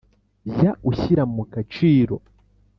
Jya ushyira mu gaciro